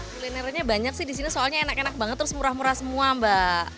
kulinernya banyak sih di sini soalnya enak enak banget terus murah murah semua mbak